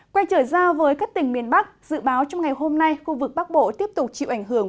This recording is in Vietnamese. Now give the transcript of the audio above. quay trở ra với các tỉnh miền bắc dự báo trong ngày hôm nay khu vực bắc bộ tiếp tục chịu ảnh hưởng